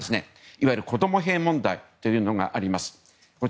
いわゆる子供兵問題というのがあります。